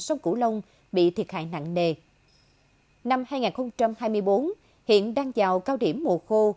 sông cửu long bị thiệt hại nặng nề năm hai nghìn hai mươi bốn hiện đang vào cao điểm mùa khô